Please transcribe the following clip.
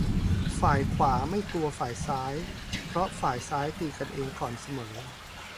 ฝ่ายขวาไม่กลัวฝ่ายซ้าย เพราะฝ่ายซ้ายตีกันเองก่อนเสมอ